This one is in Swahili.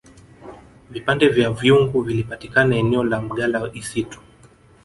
vipande vya vyungu vilipatikana eneo la mgala isitu